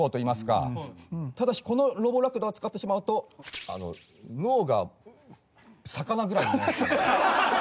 ただしこのロボラクダを使ってしまうと脳が魚ぐらいになっちゃう。